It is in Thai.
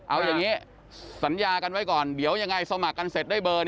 เอาอย่างนี้สัญญากันไว้ก่อนเดี๋ยวยังไงสมัครกันเสร็จได้เบอร์